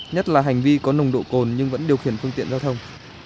nhất là hành vi có nồng độ cồn nhưng vẫn điều khiển phương tiện giao thông